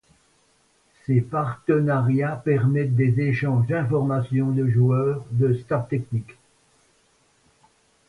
Ces partenariats permettent des échanges d'informations, de joueurs, de staff technique.